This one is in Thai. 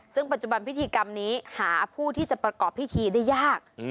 ซึ่งปัจจุบันพิธีกรรมนี้หาผู้ที่จะประกอบพิธีได้ยาก